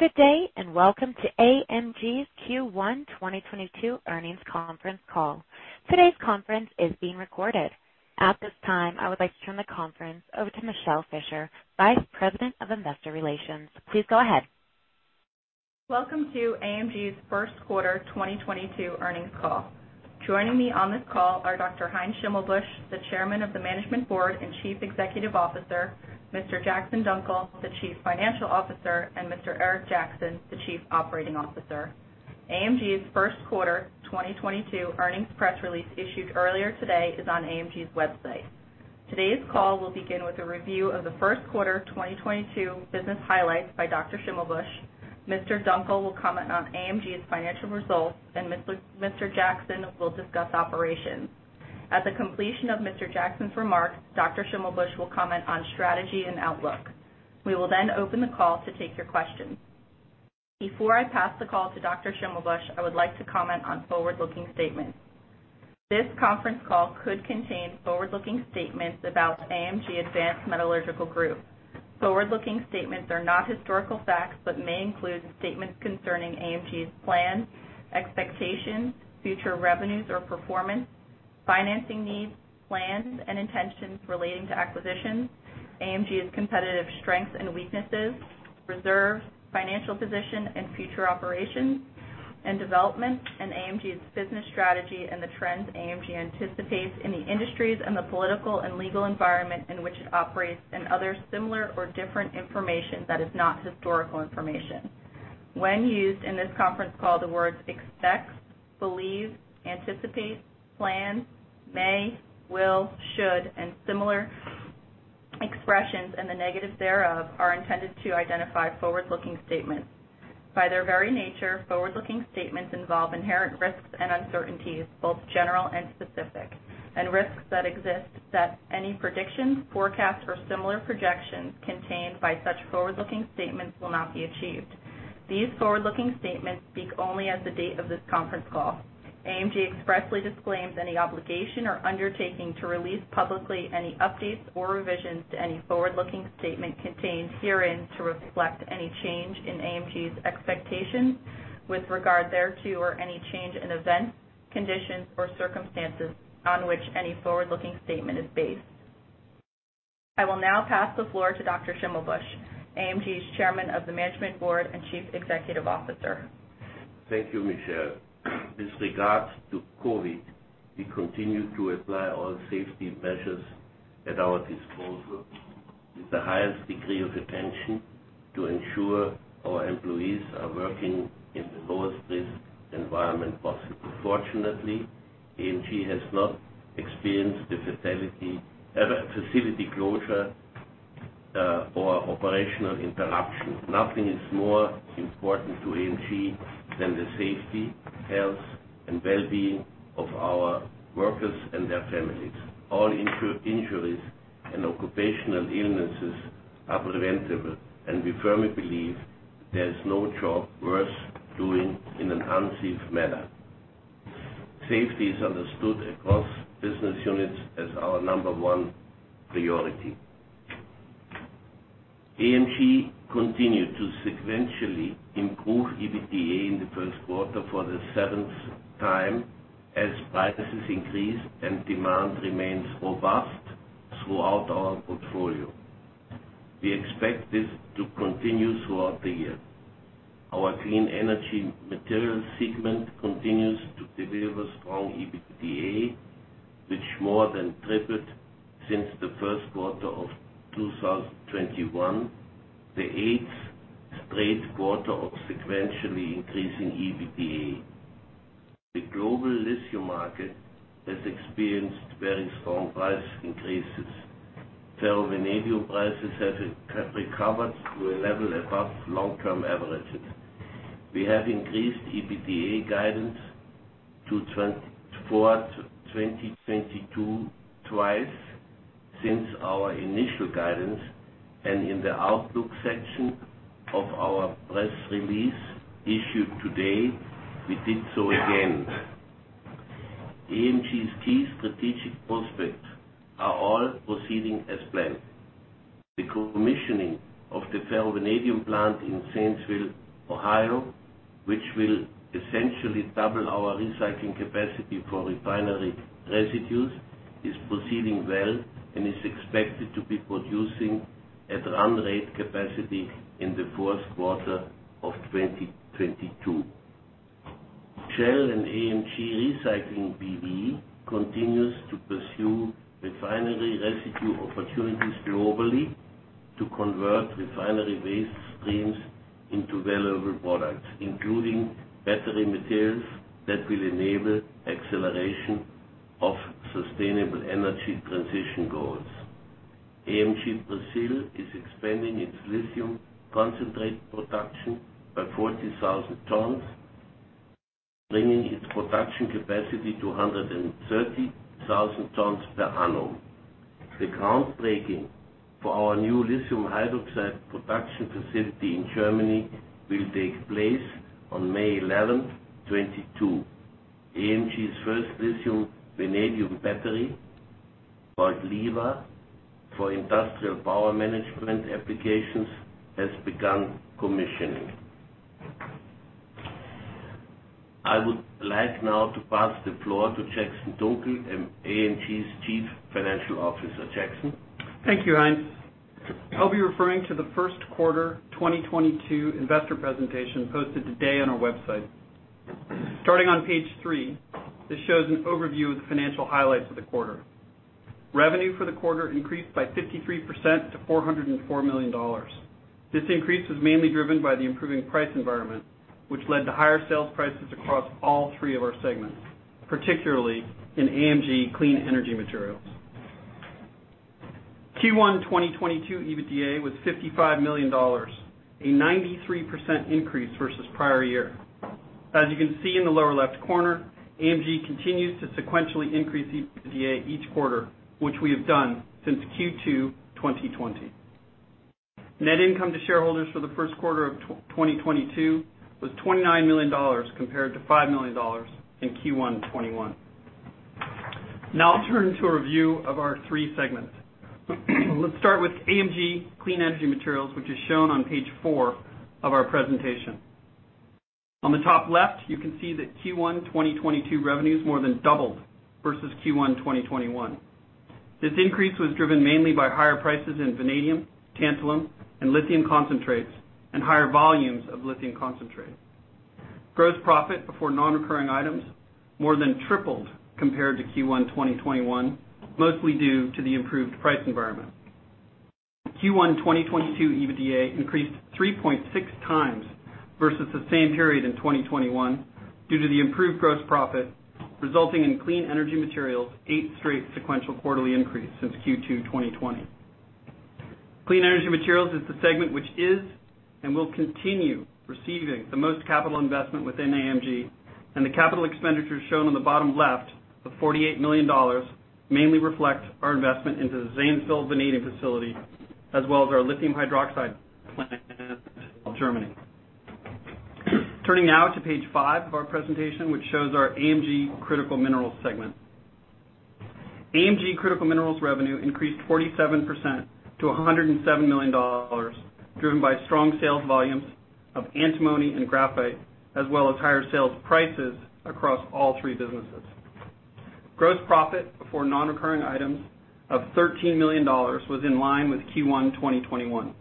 Good day, and welcome to AMG's Q1 2022 earnings conference call. Today's conference is being recorded. At this time, I would like to turn the conference over to Michele Fischer, Vice President of Investor Relations. Please go ahead. Welcome to AMG's Q1 2022 earnings call. Joining me on this call are Dr. Heinz Schimmelbusch, the chairman of the management board and chief executive officer, Mr. Jackson Dunckel, the chief financial officer, and Mr. Eric Jackson, the chief operating officer. AMG's Q1 2022 earnings press release issued earlier today is on AMG's website. Today's call will begin with a review of the Q1 2022 business highlights by Dr. Schimmelbusch. Mr. Dunckel will comment on AMG's financial results, and Mr. Jackson will discuss operations. At the completion of Mr. Jackson's remarks, Dr. Schimmelbusch will comment on strategy and outlook. We will then open the call to take your questions. Before I pass the call to Dr. Schimmelbusch, I would like to comment on forward-looking statements. This conference call could contain forward-looking statements about AMG Advanced Metallurgical Group. Forward-looking statements are not historical facts, but may include statements concerning AMG's plans, expectations, future revenues or performance, financing needs, plans, and intentions relating to acquisitions, AMG's competitive strengths and weaknesses, reserves, financial position and future operations and development, and AMG's business strategy and the trends AMG anticipates in the industries and the political and legal environment in which it operates, and other similar or different information that is not historical information. When used in this conference call, the words expect, believe, anticipate, plan, may, will, should, and similar expressions, and the negatives thereof, are intended to identify forward-looking statements. By their very nature, forward-looking statements involve inherent risks and uncertainties, both general and specific, and risks that exist that any predictions, forecasts, or similar projections contained by such forward-looking statements will not be achieved. These forward-looking statements speak only as of the date of this conference call. AMG expressly disclaims any obligation or undertaking to release publicly any updates or revisions to any forward-looking statement contained herein to reflect any change in AMG's expectations with regard thereto, or any change in events, conditions, or circumstances on which any forward-looking statement is based. I will now pass the floor to Dr. Schimmelbusch, AMG's Chairman of the Management Board and Chief Executive Officer. Thank you, Michele. With regards to COVID, we continue to apply all safety measures at our disposal with the highest degree of attention to ensure our employees are working in the lowest risk environment possible. Fortunately, AMG has not experienced a facility closure or operational interruption. Nothing is more important to AMG than the safety, health, and well-being of our workers and their families. All injuries and occupational illnesses are preventable, and we firmly believe there is no job worth doing in an unsafe manner. Safety is understood across business units as our number one priority. AMG continued to sequentially improve EBITDA in the first quarter for the seventh time as prices increased and demand remains robust throughout our portfolio. We expect this to continue throughout the year. Our Clean Energy Materials segment continues to deliver strong EBITDA, which more than tripled since the Q1 of 2021, the eighth straight quarter of sequentially increasing EBITDA. The global lithium market has experienced very strong price increases. Ferrovanadium prices have recovered to a level above long-term averages. We have increased EBITDA guidance to 24 for 2022 twice since our initial guidance, and in the outlook section of our press release issued today, we did so again. AMG's key strategic prospects are all proceeding as planned. The commissioning of the ferrovanadium plant in Zanesville, Ohio, which will essentially double our recycling capacity for refinery residues, is proceeding well and is expected to be producing at run rate capacity in the Q4 of 2022. Shell & AMG Recycling B.V. continues to pursue refinery residue opportunities globally to convert refinery waste streams into valuable products, including battery materials that will enable acceleration of sustainable energy transition goals. AMG Brazil is expanding its lithium concentrate production by 40,000 tons, bringing its production capacity to 130,000 tons per annum. The groundbreaking for our new lithium hydroxide production facility in Germany will take place on May 11, 2022. AMG's first LIVA battery for industrial power management applications has begun commissioning. I would like now to pass the floor to Jackson Dunckel, AMG's Chief Financial Officer. Jackson. Thank you, Heinz. I'll be referring to the first quarter 2022 investor presentation posted today on our website. Starting on page three, this shows an overview of the financial highlights of the quarter. Revenue for the quarter increased by 53% to $404 million. This increase was mainly driven by the improving price environment, which led to higher sales prices across all three of our segments, particularly in AMG Clean Energy Materials. Q1 2022 EBITDA was $55 million, a 93% increase versus prior year. As you can see in the lower left corner, AMG continues to sequentially increase EBITDA each quarter, which we have done since Q2 2020. Net income to shareholders for the Q1 of 2022 was $29 million compared to $5 million in Q1 2021. Now I'll turn to a review of our three segments. Let's start with AMG Clean Energy Materials, which is shown on page four of our presentation. On the top left, you can see that Q1 2022 revenues more than doubled versus Q1 2021. This increase was driven mainly by higher prices in vanadium, tantalum, and lithium concentrates, and higher volumes of lithium concentrates. Gross profit before non-recurring items more than tripled compared to Q1 2021, mostly due to the improved price environment. Q1 2022 EBITDA increased 3.6 times versus the same period in 2021 due to the improved gross profit, resulting in Clean Energy Materials' eight straight sequential quarterly increase since Q2 2020. Clean Energy Materials is the segment which is and will continue receiving the most capital investment within AMG, and the capital expenditures shown on the bottom left of $48 million mainly reflect our investment into the Zanesville vanadium facility, as well as our lithium hydroxide plant in Germany. Turning now to page five of our presentation, which shows our AMG Critical Minerals segment. AMG Critical Minerals revenue increased 47% to $107 million, driven by strong sales volumes of antimony and graphite, as well as higher sales prices across all three businesses. Gross profit before non-recurring items of $13 million was in line with Q1 2021.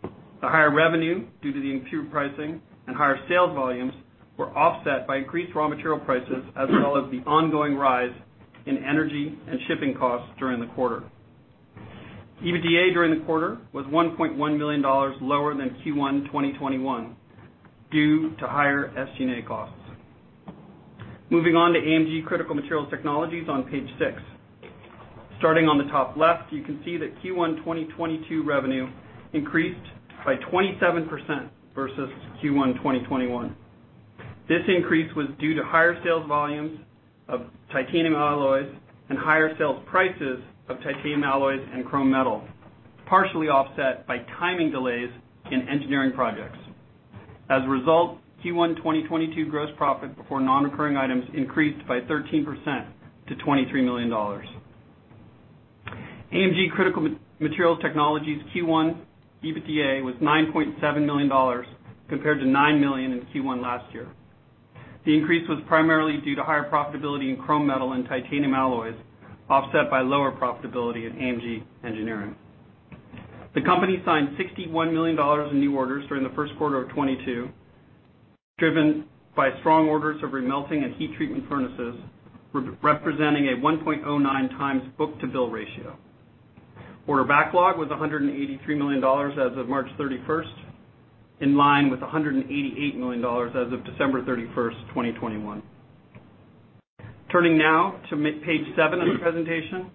The higher revenue due to the improved pricing and higher sales volumes were offset by increased raw material prices, as well as the ongoing rise in energy and shipping costs during the quarter. EBITDA during the quarter was $1.1 million lower than Q1 2021 due to higher SG&A costs. Moving on to AMG Critical Materials Technologies on page six. Starting on the top left, you can see that Q1 2022 revenue increased by 27% versus Q1 2021. This increase was due to higher sales volumes of titanium alloys and higher sales prices of titanium alloys and chrome metal, partially offset by timing delays in engineering projects. As a result, Q1 2022 gross profit before non-recurring items increased by 13% to $23 million. AMG Critical Materials Technologies' Q1 EBITDA was $9.7 million, compared to $9 million in Q1 last year. The increase was primarily due to higher profitability in chrome metal and titanium alloys, offset by lower profitability at AMG Engineering. The company signed $61 million in new orders during the Q1 of 2022, driven by strong orders of remelting and heat treatment furnaces, representing a 1.09x book to bill ratio. Order backlog was $183 million as of March 31, in line with $188 million as of December 31, 2021. Turning now to page seven of the presentation.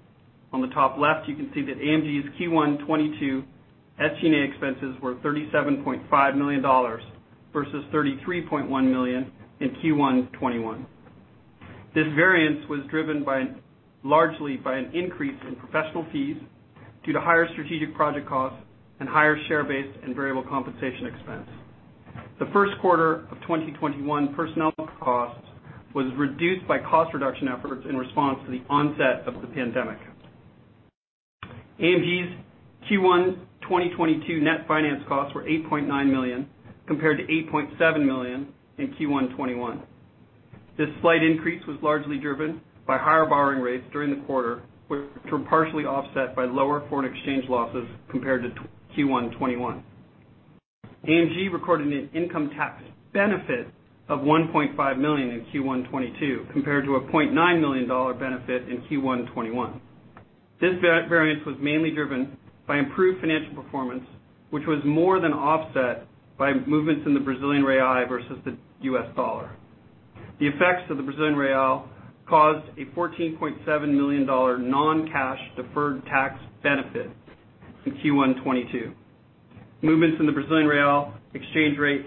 On the top left, you can see that AMG's Q1 2022 SG&A expenses were $37.5 million versus $33.1 million in Q1 2021. This variance was driven by largely by an increase in professional fees due to higher strategic project costs and higher share-based and variable compensation expense. The Q1 of 2021 personnel costs was reduced by cost reduction efforts in response to the onset of the pandemic. AMG's Q1 2022 net finance costs were 8.9 million, compared to 8.7 million in Q1 2021. This slight increase was largely driven by higher borrowing rates during the quarter, which were partially offset by lower foreign exchange losses compared to Q1 2021. AMG recorded an income tax benefit of 1.5 million in Q1 2022, compared to a $0.9 million benefit in Q1 2021. This variance was mainly driven by improved financial performance, which was more than offset by movements in the Brazilian real versus the US dollar. The effects of the Brazilian real caused a $14.7 million non-cash deferred tax benefit in Q1 2022. Movements in the Brazilian real exchange rate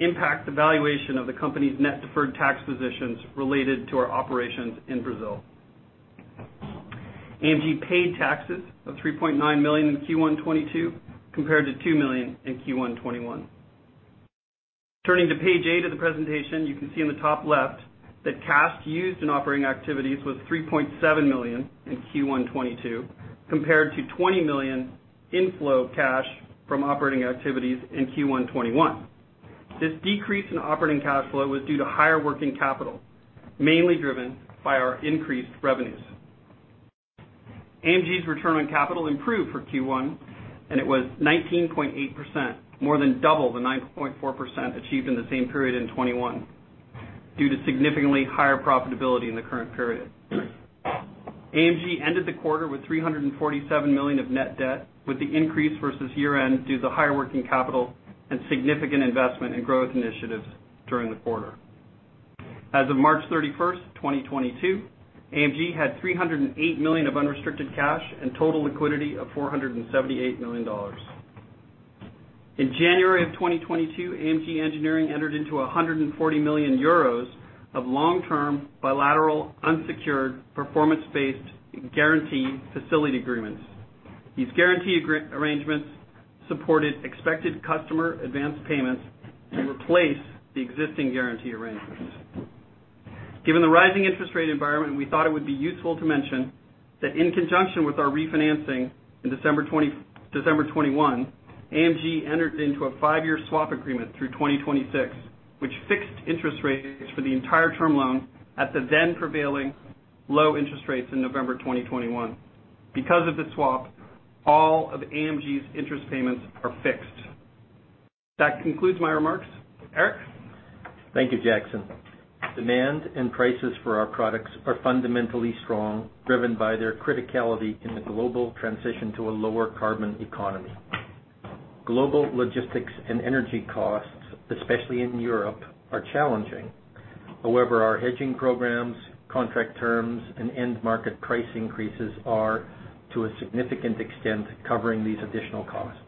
impact the valuation of the company's net deferred tax positions related to our operations in Brazil. AMG paid taxes of 3.9 million in Q1 2022, compared to 2 million in Q1 2021. Turning to page 8 of the presentation, you can see in the top left that cash used in operating activities was 3.7 million in Q1 2022 compared to 20 million inflow of cash from operating activities in Q1 2021. This decrease in operating cash flow was due to higher working capital, mainly driven by our increased revenues. AMG's return on capital improved for Q1, and it was 19.8%, more than double the 9.4% achieved in the same period in 2021 due to significantly higher profitability in the current period. AMG ended the quarter with 347 million of net debt, with the increase versus year-end due to the higher working capital and significant investment in growth initiatives during the quarter. As of March 31, 2022, AMG had $308 million of unrestricted cash and total liquidity of $478 million. In January of 2022, AMG Engineering entered into 140 million euros of long-term bilateral unsecured performance-based guarantee facility agreements. These guarantee arrangements supported expected customer advanced payments and replaced the existing guarantee arrangements. Given the rising interest rate environment, we thought it would be useful to mention that in conjunction with our refinancing in December 2021, AMG entered into a five-year swap agreement through 2026, which fixed interest rates for the entire term loan at the then prevailing low interest rates in November 2021. Because of the swap, all of AMG's interest payments are fixed. That concludes my remarks. Eric? Thank you, Jackson. Demand and prices for our products are fundamentally strong, driven by their criticality in the global transition to a lower carbon economy. Global logistics and energy costs, especially in Europe, are challenging. However, our hedging programs, contract terms, and end market price increases are, to a significant extent, covering these additional costs.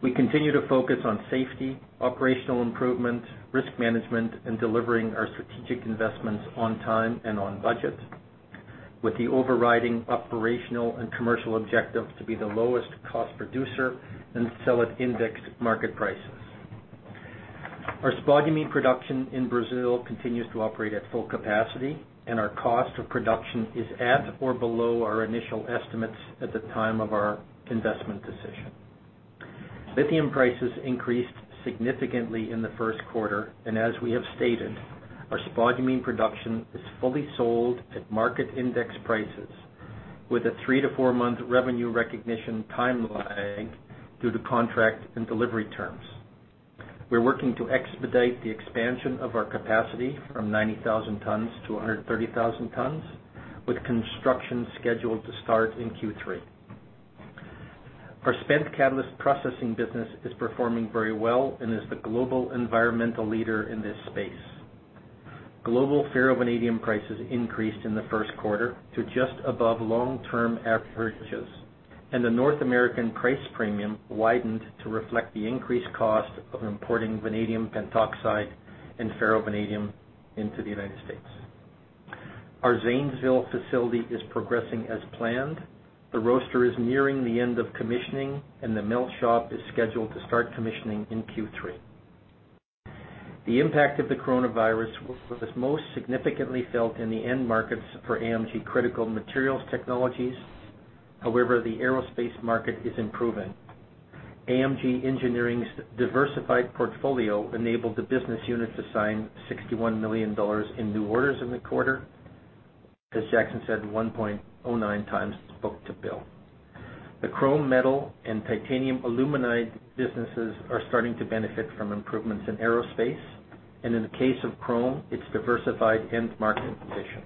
We continue to focus on safety, operational improvement, risk management, and delivering our strategic investments on time and on budget, with the overriding operational and commercial objective to be the lowest cost producer and sell at indexed market prices. Our spodumene production in Brazil continues to operate at full capacity, and our cost of production is at or below our initial estimates at the time of our investment decision. Lithium prices increased significantly in the Q1, and as we have stated, our spodumene production is fully sold at market-indexed prices with a 3-4-month revenue recognition time lag due to contract and delivery terms. We're working to expedite the expansion of our capacity from 90,000 tons to 130,000 tons, with construction scheduled to start in Q3. Our spent catalyst processing business is performing very well and is the global environmental leader in this space. Global ferrovanadium prices increased in the first quarter to just above long-term averages, and the North American price premium widened to reflect the increased cost of importing vanadium pentoxide and ferrovanadium into the United States. Our Zanesville facility is progressing as planned. The roaster is nearing the end of commissioning, and the melt shop is scheduled to start commissioning in Q3. The impact of the coronavirus was most significantly felt in the end markets for AMG Critical Materials Technologies. However, the aerospace market is improving. AMG Engineering's diversified portfolio enabled the business unit to sign $61 million in new orders in the quarter. As Jackson said, 1.09 times book to bill. The chrome metal and titanium aluminide businesses are starting to benefit from improvements in aerospace, and in the case of chrome, its diversified end market position.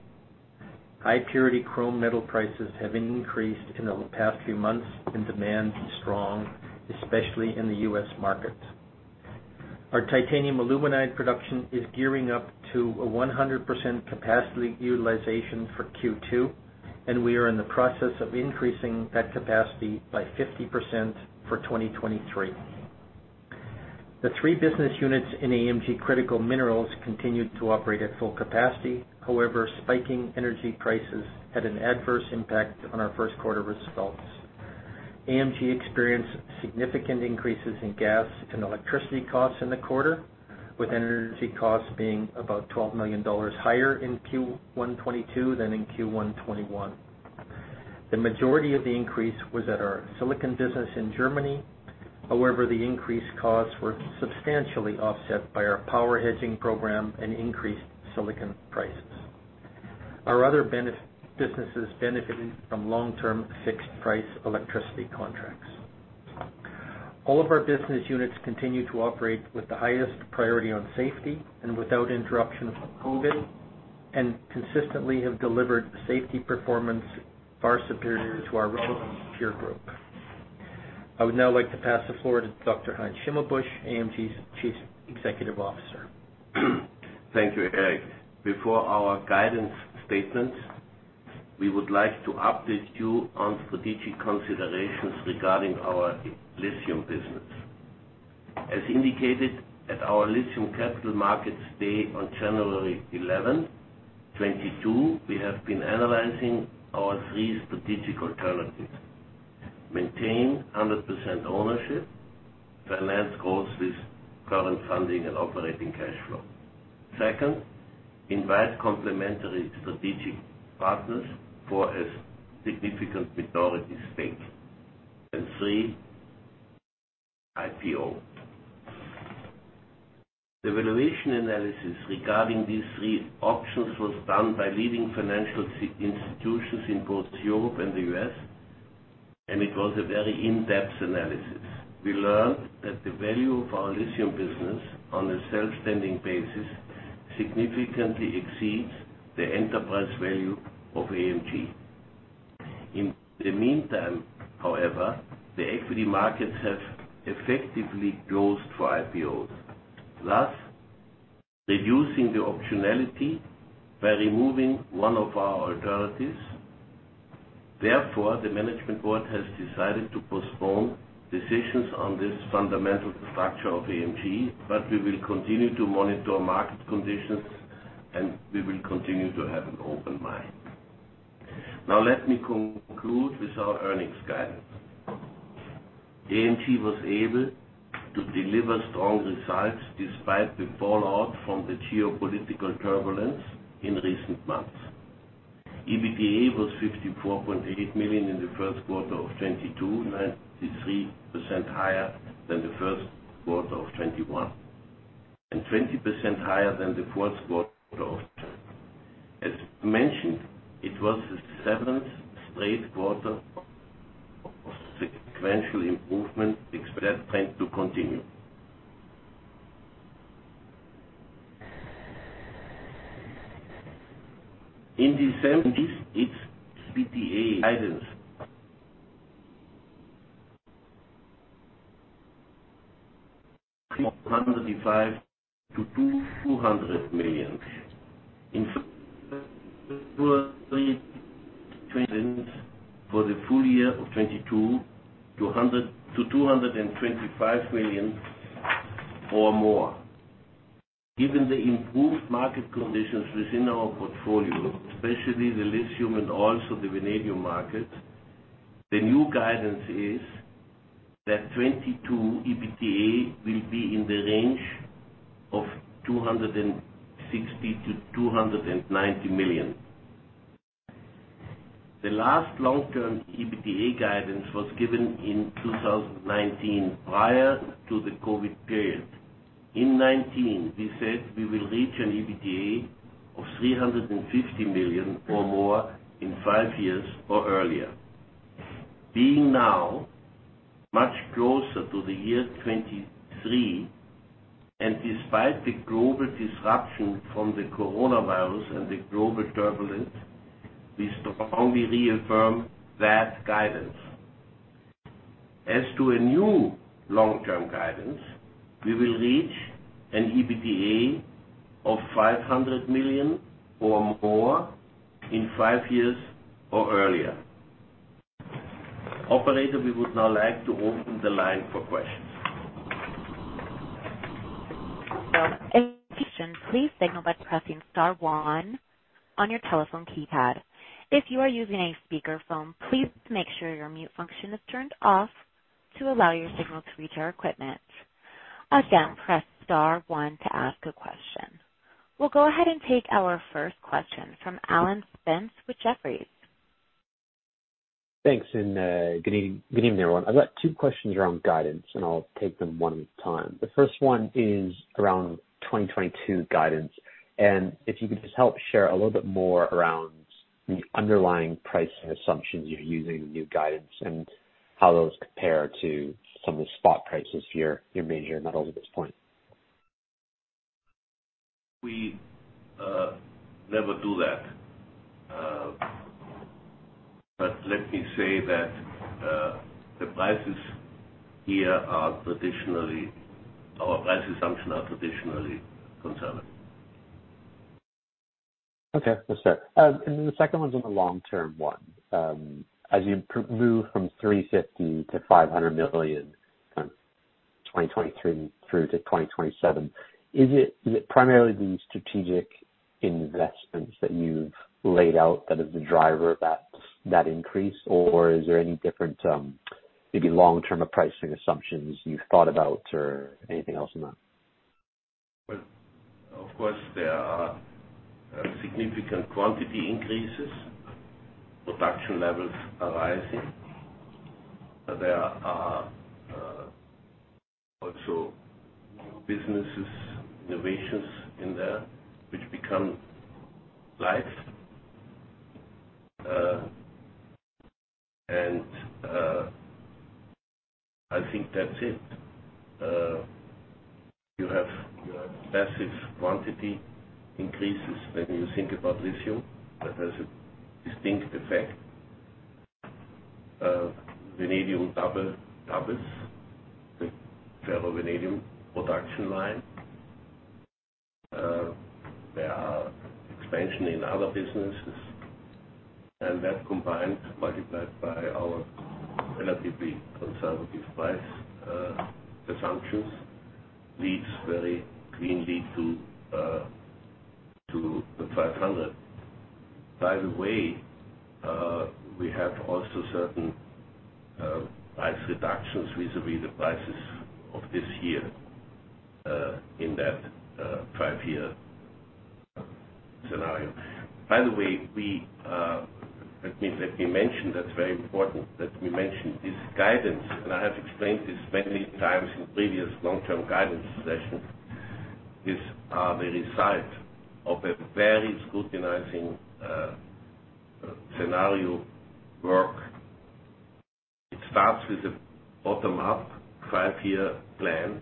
High purity chrome metal prices have increased in the past few months, and demand is strong, especially in the U.S. markets. Our titanium aluminide production is gearing up to a 100% capacity utilization for Q2, and we are in the process of increasing that capacity by 50% for 2023. The three business units in AMG Critical Minerals continued to operate at full capacity. However, spiking energy prices had an adverse impact on our first quarter results. AMG experienced significant increases in gas and electricity costs in the quarter, with energy costs being about $12 million higher in Q1 2022 than in Q1 2021. The majority of the increase was at our silicon business in Germany. However, the increased costs were substantially offset by our power hedging program and increased silicon prices. Our other businesses benefited from long-term fixed price electricity contracts. All of our business units continue to operate with the highest priority on safety and without interruption from COVID, and consistently have delivered safety performance far superior to our peer group. I would now like to pass the floor to Dr. Heinz Schimmelbusch, AMG's Chief Executive Officer. Thank you, Eric. Before our guidance statement, we would like to update you on strategic considerations regarding our lithium business. As indicated at our Lithium Capital Markets Day on January 11, 2022, we have been analyzing our three strategic alternatives. Maintain 100% ownership, finance growth with current funding and operating cash flow. Second, invite complementary strategic partners for a significant minority stake. Three, IPO. The valuation analysis regarding these three options was done by leading financial institutions in both Europe and the U.S., and it was a very in-depth analysis. We learned that the value of our lithium business on a freestanding basis significantly exceeds the enterprise value of AMG. In the meantime, however, the equity markets have effectively closed for IPOs, thus reducing the optionality by removing one of our alternatives. Therefore, the management board has decided to postpone decisions on this fundamental structure of AMG, but we will continue to monitor market conditions, and we will continue to have an open mind. Now let me conclude with our earnings guidance. AMG was able to deliver strong results despite the fallout from the geopolitical turbulence in recent months. EBITDA was 54.8 million in the first quarter of 2022, 93% higher than the first quarter of 2021, and 20% higher than the fourth quarter of 2021. As mentioned, it was the seventh straight quarter of sequential improvement. Expect that trend to continue. In December, we gave EBITDA guidance of EUR 305 million-EUR 200 million. In February, we raised guidance for the full year of 2022 to 225 million or more. Given the improved market conditions within our portfolio, especially the lithium and also the vanadium market, the new guidance is that 2022 EBITDA will be in the range of EUR 260-290 million. The last long-term EBITDA guidance was given in 2019, prior to the COVID period. In 2019, we said we will reach an EBITDA of 350 million or more in five years or earlier. Being now much closer to the year 2023, and despite the global disruption from the coronavirus and the global turbulence, we strongly reaffirm that guidance. As to a new long-term guidance, we will reach an EBITDA of 500 million or more in five years or earlier. Operator, we would now like to open the line for questions. For participation, please signal by pressing star one on your telephone keypad. If you are using a speakerphone, please make sure your mute function is turned off to allow your signal to reach our equipment. Again, press star one to ask a question. We'll go ahead and take our first question from Ephrem Ravi with Citigroup. Thanks, good evening. Good evening, everyone. I've got two questions around guidance, and I'll take them one at a time. The first one is around 2022 guidance, and if you could just help share a little bit more around the underlying pricing assumptions you're using in the new guidance and how those compare to some of the spot prices for your major metals at this point? We never do that. Let me say that our price assumptions are traditionally conservative. Okay. That's fair. Then the second one's on the long-term one. As you move from 350 million to 500 million from 2023 through to 2027, is it primarily the strategic investments that you've laid out that is the driver of that increase, or is there any different, maybe long-term pricing assumptions you've thought about or anything else in that? Well, of course, there are significant quantity increases. Production levels are rising. There are also new businesses, innovations in there which become live. I think that's it. You have massive quantity increases when you think about lithium. That has a distinct effect. Vanadium doubles the ferrovanadium production line. There are expansion in other businesses, and that combined, multiplied by our relatively conservative price assumptions, leads very cleanly to the 500. By the way, we have also certain price reductions vis-à-vis the prices of this year in that five-year scenario. By the way, let me mention that it's very important that we mention this guidance, and I have explained this many times in previous long-term guidance sessions. These are the result of a very scrutinizing scenario work. It starts with a bottom-up five-year plan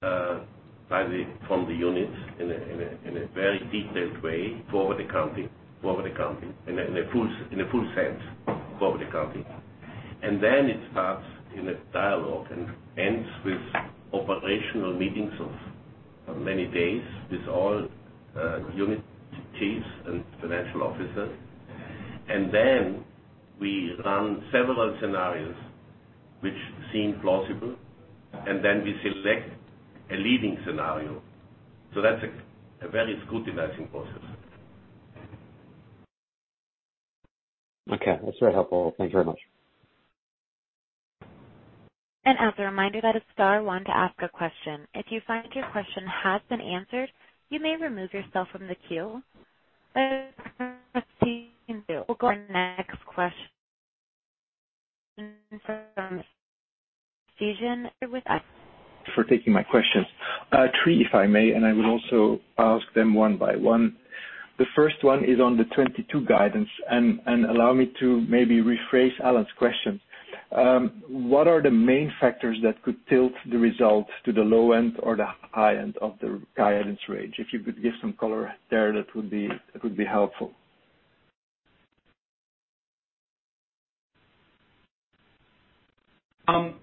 from the units in a very detailed way for the company in a full sense for the company. Then it starts with a dialogue and ends with operational meetings of many days with all unit teams and financial officers. Then we run several scenarios which seem plausible, and then we select a leading scenario. That's a very scrutinizing process. Okay. That's very helpful. Thank you very much. As a reminder, that is star one to ask a question. If you find your question has been answered, you may remove yourself from the queue. Our next question from Stijn Demeester with. For taking my questions. Three, if I may, and I will also ask them one by one. The first one is on the 2022 guidance, and allow me to maybe rephrase Ephrem's question. What are the main factors that could tilt the results to the low end or the high end of the guidance range? If you could give some color there, that would be helpful.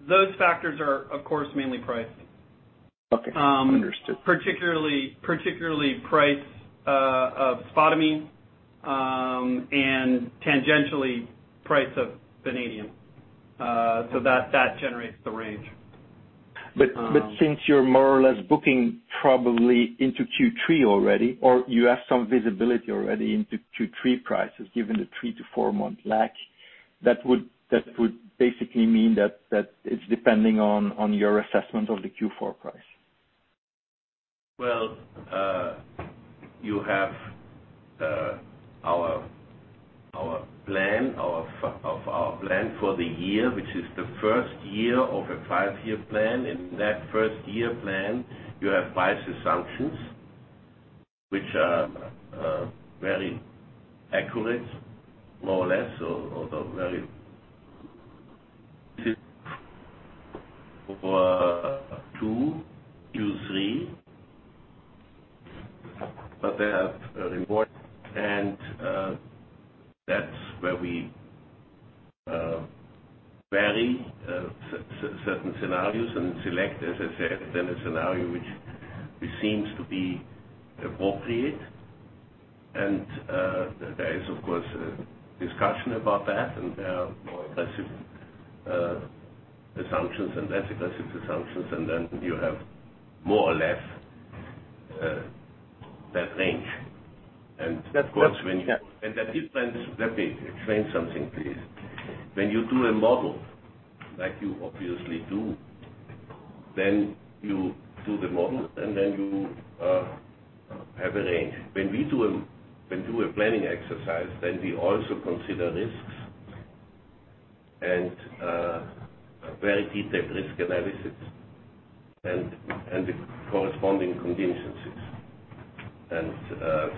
Those factors are, of course, mainly pricing. Okay. Understood. Particularly price of spodumene and tangentially price of vanadium. That generates the range. Since you're more or less booking probably into Q3 already, or you have some visibility already into Q3 prices, given the 3- to 4-month lag, that would basically mean that it's depending on your assessment of the Q4 price. Well, you have our plan for the year, which is the first year of a five-year plan. In that first-year plan, you have price assumptions which are very accurate, more or less, for Q2, Q3, but there is a report and that's where we vary certain scenarios and select, as I said, then a scenario which seems to be appropriate. There is of course a discussion about that, and there are more aggressive assumptions and less aggressive assumptions, and then you have more or less that range. That's- Of course, when you Yeah. That difference. Let me explain something, please. When you do a model, like you obviously do, then you do the model, and then you have a range. When we do a planning exercise, then we also consider risks and very detailed risk analysis and the corresponding contingencies.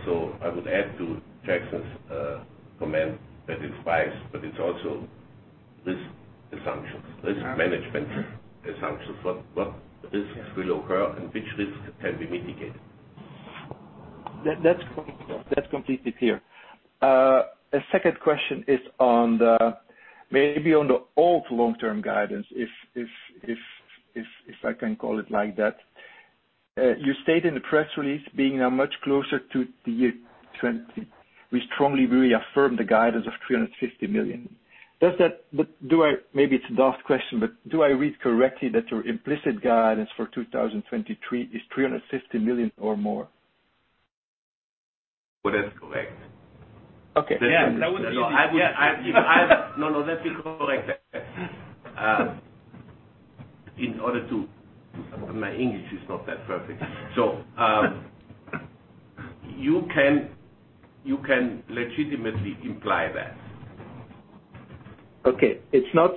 So I would add to Jackson's comment that it's price, but it's also risk assumptions, risk management assumptions. What risks will occur and which risks can be mitigated? That's completely clear. A second question is on maybe the old long-term guidance, if I can call it like that. You stated in the press release, "Being now much closer to the year 2020, we strongly reaffirm the guidance of 350 million." Maybe it's a daft question, but do I read correctly that your implicit guidance for 2023 is 350 million or more? Well, that's correct. Okay. No, let me correct that. My English is not that perfect. You can legitimately imply that. It's not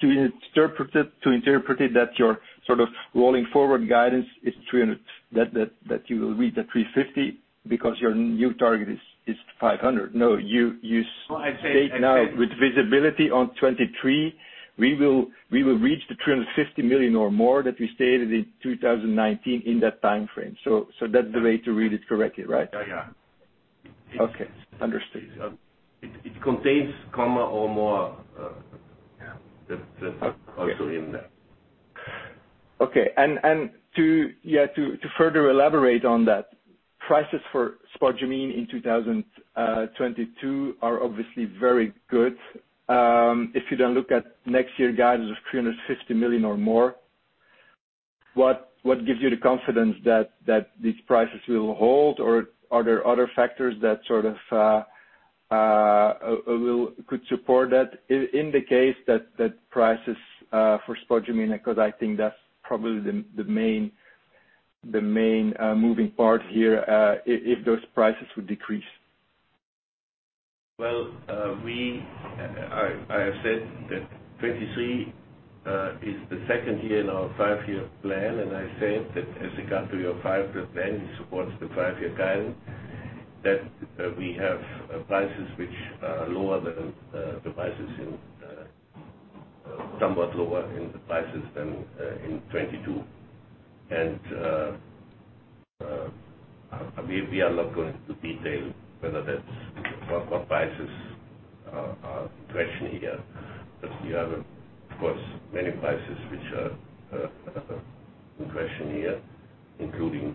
to interpret it that your sort of rolling forward guidance is 300, that you will reach that 350 because your new target is 500. No, you state now- No, I'd say. With visibility on 2023, we will reach 350 million or more that we stated in 2019 in that timeframe. That's the way to read it correctly, right? Yeah, yeah. Okay. Understood. It contains comma or more. Yeah. That's also in there. To further elaborate on that, prices for spodumene in 2022 are obviously very good. If you then look at next year guidance of 350 million or more. What gives you the confidence that these prices will hold or are there other factors that sort of could support that in the case that prices for spodumene, because I think that's probably the main moving part here, if those prices would decrease? Well, I have said that 2023 is the second year in our five-year plan, and I said that as we come to your five-year plan, it supports the five-year plan, that we have prices which are somewhat lower than the prices in 2022. We are not going into detail whether that's what prices are in question here. We have, of course, many prices which are in question here, including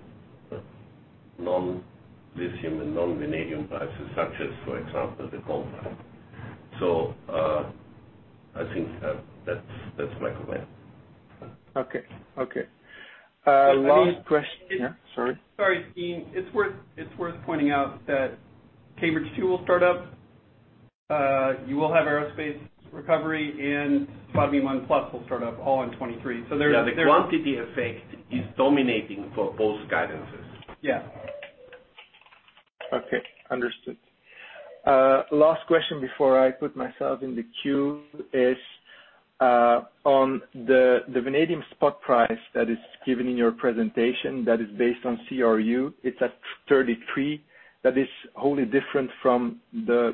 non-lithium and non-vanadium prices, such as, for example, the coal price. I think that's my comment. Okay. I mean. Yeah, sorry. Sorry, Ian. It's worth pointing out that Cambridge 2 will start up. You will have aerospace recovery and spodumene 1+ will start up all in 2023. Yeah, the quantity effect is dominating for both guidances. Yeah. Okay. Understood. Last question before I put myself in the queue is on the vanadium spot price that is given in your presentation that is based on CRU. It's at 33. That is wholly different from the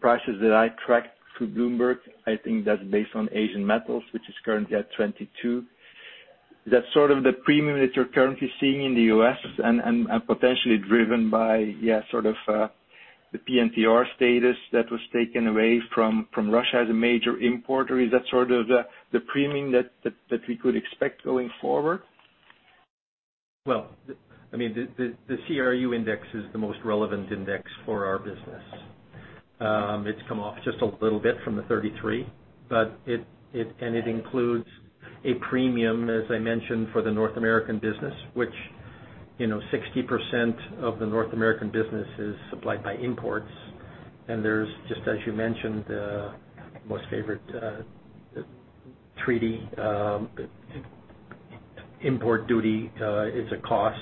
prices that I tracked through Bloomberg. I think that's based on Asian Metal, which is currently at 22. Is that sort of the premium that you're currently seeing in the U.S. and potentially driven by, yeah, sort of, the PNTR status that was taken away from Russia as a major importer? Is that sort of the premium that we could expect going forward? Well, I mean, the CRU index is the most relevant index for our business. It's come off just a little bit from the 33, but it includes a premium, as I mentioned, for the North American business, which, you know, 60% of the North American business is supplied by imports. There's, just as you mentioned, Most Favored Nation import duty is a cost.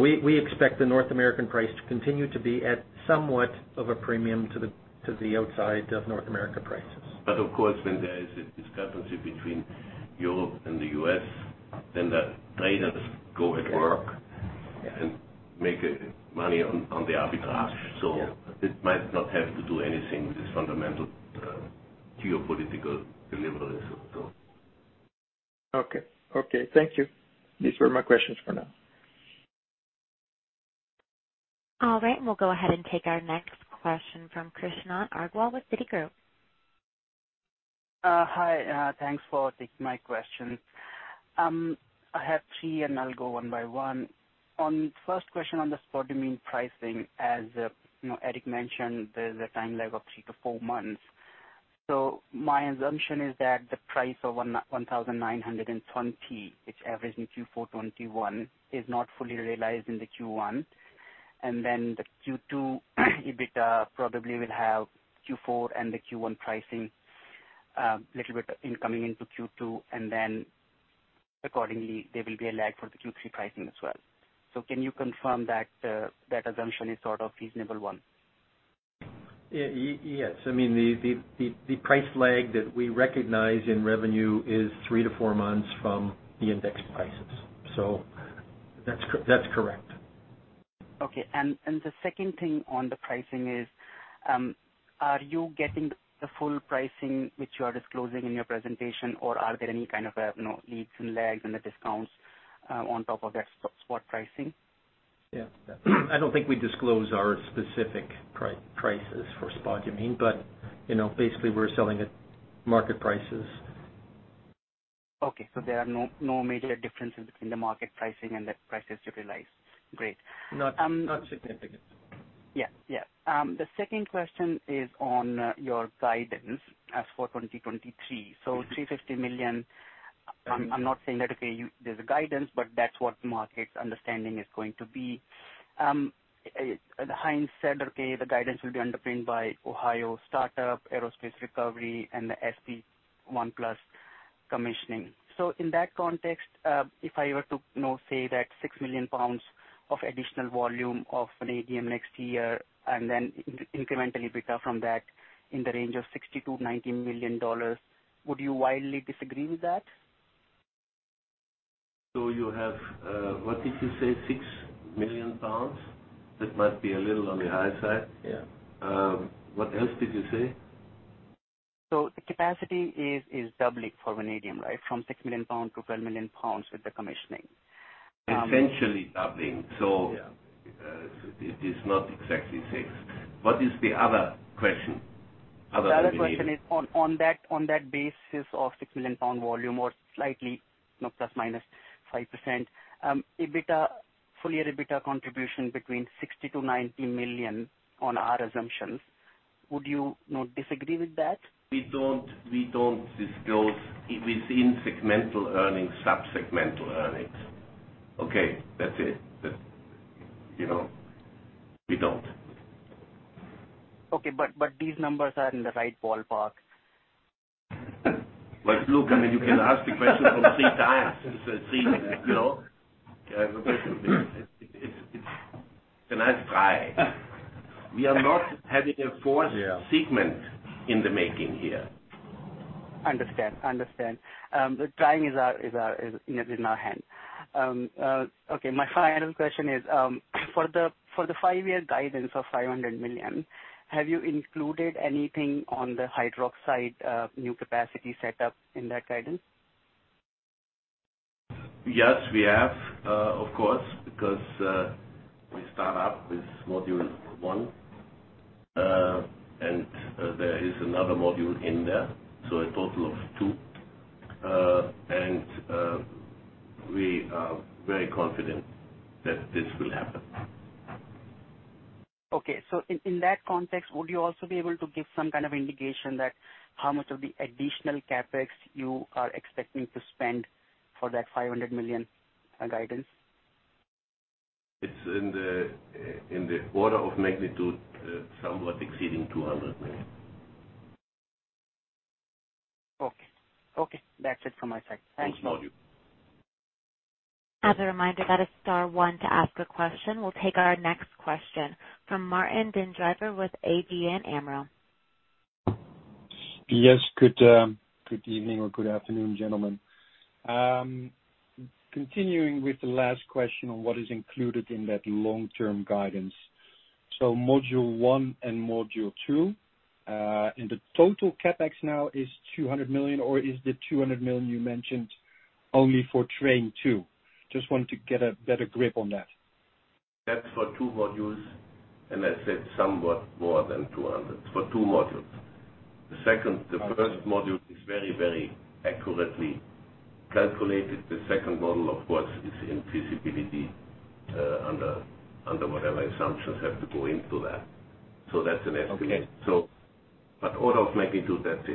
We expect the North American price to continue to be at somewhat of a premium to the outside of North America prices. Of course, when there is a discrepancy between Europe and the U.S., then the traders go to work and make money on the arbitrage. It might not have to do anything with this fundamental geopolitical deliverance of the Okay. Okay, thank you. These were my questions for now. All right. We'll go ahead and take our next question from Krishnan Agarwal with Citigroup. Hi. Thanks for taking my question. I have three, and I'll go one by one. First question on the spodumene pricing, as you know, Eric mentioned, there's a time lag of 3-4 months. My assumption is that the price of 1,920, it's averaged in Q4 2021, is not fully realized in the Q1. Then the Q2 EBITDA probably will have Q4 and the Q1 pricing, little bit incoming into Q2, and then accordingly, there will be a lag for the Q3 pricing as well. Can you confirm that that assumption is sort of reasonable one? Yes. I mean, the price lag that we recognize in revenue is 3-4 months from the index prices. That's correct. The second thing on the pricing is, are you getting the full pricing which you are disclosing in your presentation, or are there any kind of, you know, leaks and lags and the discounts on top of that spot pricing? Yeah. I don't think we disclose our specific prices for spodumene, but, you know, basically we're selling at market prices. There are no major differences between the market pricing and the prices you realize. Great. Not significant. Yeah. The second question is on your guidance as for 2023. 350 million, I'm not saying that, okay, there's a guidance, but that's what the market's understanding is going to be. In hindsight, okay, the guidance will be underpinned by Ohio startup, aerospace recovery and the SB one plus commissioning. In that context, if I were to, you know, say that 6 million pounds of additional volume of vanadium next year and then incrementally EBITDA from that in the range of $60-$90 million, would you wildly disagree with that? You have, what did you say? 6 million pounds. That might be a little on the high side. Yeah. What else did you say? The capacity is doubling for vanadium, right? From 6 million pounds to 12 million pounds with the commissioning. Essentially doubling. Yeah. It is not exactly six. What is the other question? Other one you needed. The other question is on that basis of 6 million pound volume or slightly, you know, ±5%, EBITDA, full year EBITDA contribution between 60 million-90 million on our assumptions. Would you know, disagree with that? We don't disclose within segmental earnings, sub-segmental earnings. Okay? That's it. You know, we don't. Okay. These numbers are in the right ballpark? Well, look, I mean, you can ask the question for three times. It's a three, you know. It's a nice try. We are not having a fourth segment in the making here. Understand. The timing is in our hands. Okay, my final question is for the five-year guidance of 500 million, have you included anything on the hydroxide new capacity setup in that guidance? Yes, we have, of course, because we start up with module one, and there is another module in there, so a total of two. We are very confident that this will happen. Okay. In that context, would you also be able to give some kind of indication that how much of the additional CapEx you are expecting to spend for that 500 million guidance? It's in the order of magnitude, somewhat exceeding 200 million. Okay. Okay. That's it from my side. Thank you. Two modules. As a reminder, that is star one to ask a question. We'll take our next question from Martijn den Drijver with ABN AMRO. Yes. Good evening or good afternoon, gentlemen. Continuing with the last question on what is included in that long-term guidance. Module one and module two, and the total CapEx now is 200 million, or is the 200 million you mentioned only for train two? Just wanted to get a better grip on that. That's for two modules, and I said somewhat more than 200 for two modules. The first module is very, very accurately calculated. The second module, of course, is in feasibility under whatever assumptions have to go into that. That's an estimate. Okay. Order of magnitude, that's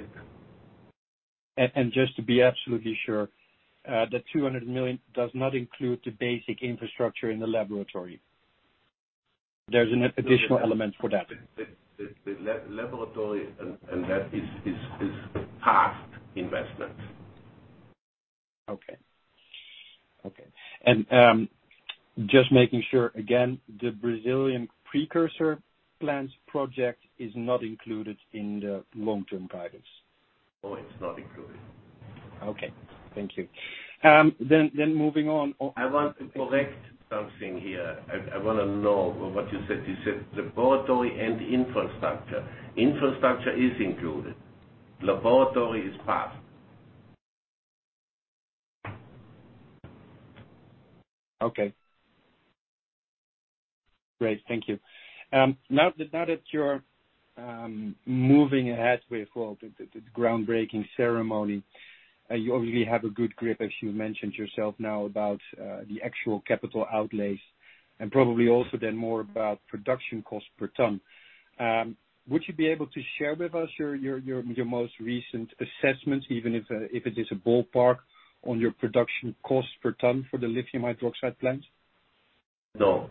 it. Just to be absolutely sure, the 200 million does not include the basic infrastructure in the laboratory. There's an additional element for that. The laboratory and that is past investment. Okay. Just making sure again, the Brazilian precursor plants project is not included in the long-term guidance. No, it's not included. Okay. Thank you. Moving on. I want to correct something here. I wanna know what you said. You said laboratory and infrastructure. Infrastructure is included. Laboratory is past. Okay. Great. Thank you. Now that you're moving ahead with all the groundbreaking ceremony, you obviously have a good grip, as you mentioned yourself now about the actual capital outlays and probably also then more about production cost per ton. Would you be able to share with us your most recent assessments, even if it is a ballpark on your production cost per ton for the lithium hydroxide plant? No.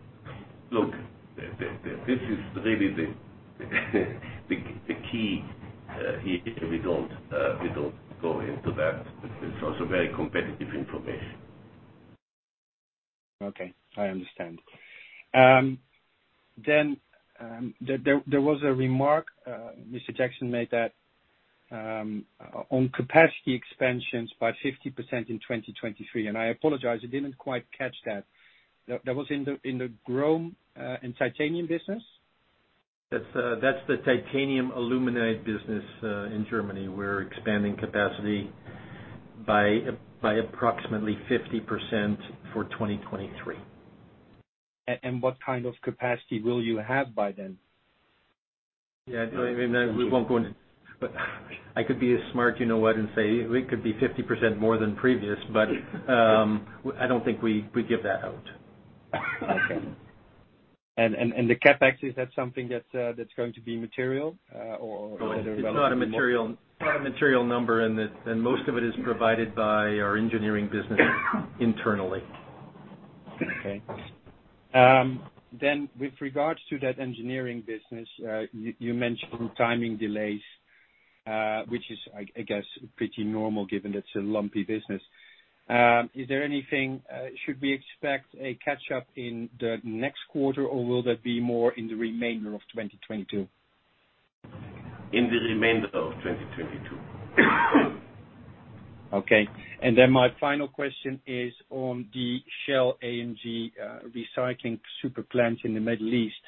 Look, this is really the key here. We don't go into that. It's also very competitive information. Okay. I understand. There was a remark Mr. Jackson made that on capacity expansions by 50% in 2023, and I apologize, I didn't quite catch that. That was in the chrome and titanium business? That's the titanium aluminide business in Germany. We're expanding capacity by approximately 50% for 2023. What kind of capacity will you have by then? Yeah. No, I mean, I could be a smart you-know-what and say it could be 50% more than previous. I don't think we give that out. Okay. The CapEx, is that something that that's going to be material, or- No, it's not a material number and most of it is provided by our engineering business internally. Okay. With regards to that engineering business, you mentioned timing delays, which is, I guess, pretty normal given it's a lumpy business. Is there anything, should we expect a catch-up in the next quarter, or will that be more in the remainder of 2022? In the remainder of 2022. Okay. My final question is on the Shell & AMG recycling super plant in the Middle East.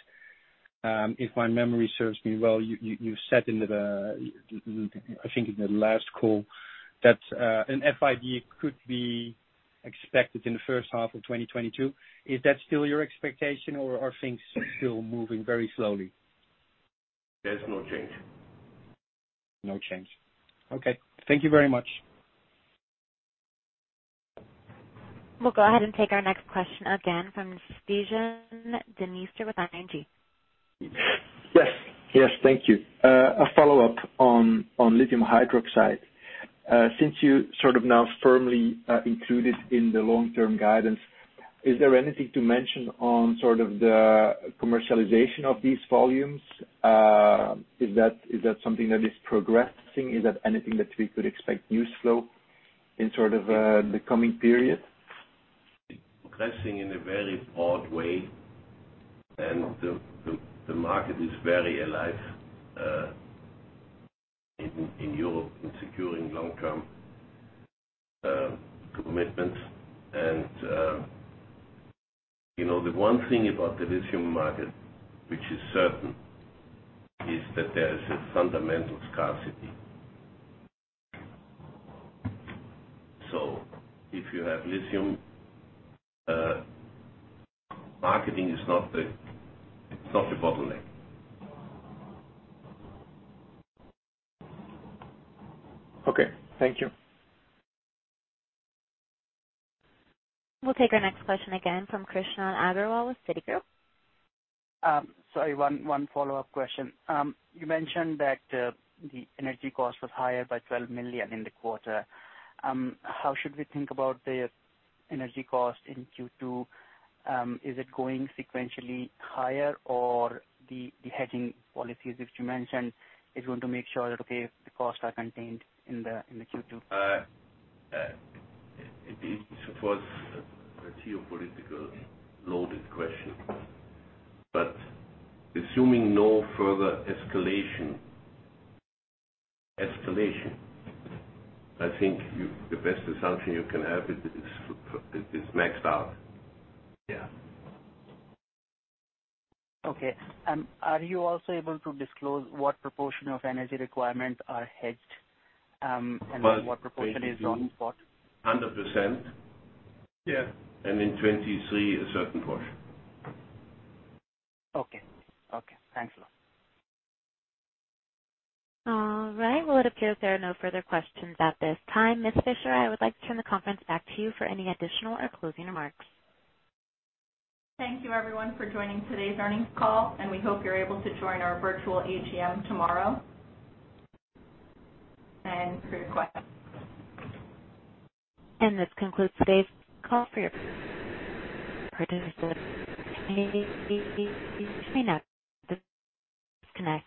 If my memory serves me well, you said, I think, in the last call that an FID could be expected in the first half of 2022. Is that still your expectation, or are things still moving very slowly? There's no change. No change. Okay. Thank you very much. We'll go ahead and take our next question again from Stijn Demeester with ING. Yes. Thank you. A follow-up on lithium hydroxide. Since you sort of now firmly included in the long-term guidance, is there anything to mention on sort of the commercialization of these volumes? Is that something that is progressing? Is that anything that we could expect news flow in sort of the coming period? Progressing in a very broad way, and the market is very alive in Europe in securing long-term commitment. You know, the one thing about the lithium market which is certain is that there is a fundamental scarcity. If you have lithium, it's not the bottleneck. Okay. Thank you. We'll take our next question again from Krishnan Agarwal with Citigroup. Sorry, one follow-up question. You mentioned that the energy cost was higher by 12 million in the quarter. How should we think about the energy cost in Q2? Is it going sequentially higher or the hedging policies which you mentioned is going to make sure that, okay, the costs are contained in the Q2? It was a geopolitically loaded question, but assuming no further escalation, I think the best assumption you can have is maxed out. Yeah. Okay. Are you also able to disclose what proportion of energy requirements are hedged, and then what proportion is on spot? 100%. Yeah. In 2023, a certain portion. Okay. Okay. Thanks a lot. All right. Well, it appears there are no further questions at this time. Michele Fischer, I would like to turn the conference back to you for any additional or closing remarks. Thank you everyone for joining today's earnings call, and we hope you're able to join our virtual AGM tomorrow. For your questions. This concludes today's call. For your participation, disconnect.